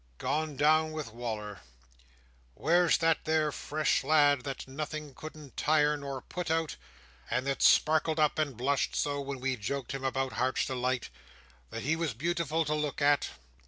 Gone down with Wal"r. Where's that there fresh lad, that nothing couldn't tire nor put out, and that sparkled up and blushed so, when we joked him about Heart's Delight, that he was beautiful to look at?